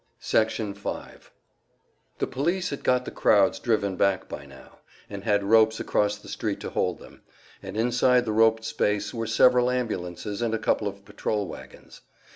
Section 5 The police had got the crowds driven back by now, and had ropes across the street to hold them, and inside the roped space were several ambulances and a couple of patrol wagons.